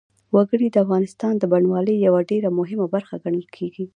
وګړي د افغانستان د بڼوالۍ یوه ډېره مهمه برخه ګڼل کېږي.